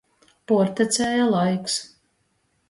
Puortecēja laiks.